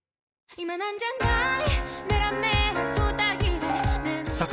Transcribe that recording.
今なんじゃない？